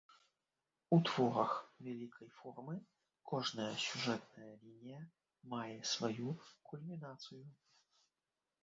У творах вялікай формы кожная сюжэтная лінія мае сваю кульмінацыю.